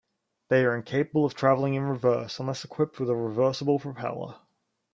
They are incapable of traveling in reverse, unless equipped with a reversible propeller.